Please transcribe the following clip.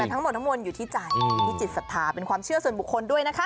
แต่ทั้งหมดทั้งมวลอยู่ที่ใจอยู่ที่จิตศรัทธาเป็นความเชื่อส่วนบุคคลด้วยนะคะ